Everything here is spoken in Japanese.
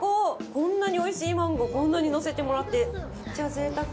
こんなにおいしいマンゴー、こんなに載せてもらって、めっちゃぜいたく。